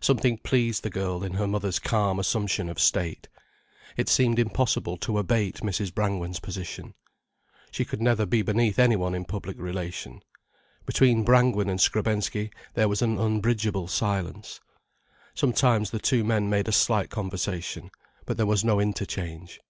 Something pleased the girl in her mother's calm assumption of state. It seemed impossible to abate Mrs. Brangwen's position. She could never be beneath anyone in public relation. Between Brangwen and Skrebensky there was an unbridgeable silence. Sometimes the two men made a slight conversation, but there was no interchange.